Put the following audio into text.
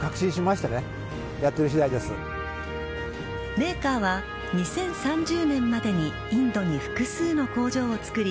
メーカーは２０３０年までにインドに複数の工場を造り